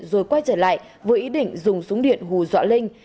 rồi quay trở lại với ý định dùng súng điện hù dọa linh